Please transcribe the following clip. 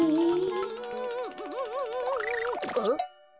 あっ。